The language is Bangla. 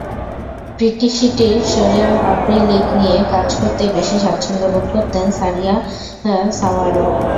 প্রিটি শিটির সারিয়াঅ্যাক্রিলিক নিয়ে কাজ করতেই বেশি স্বাচ্ছন্দ্য বোধ করতেন সারিয়া সাওয়ারো।